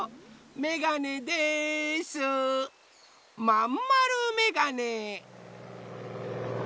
まんまるめがね！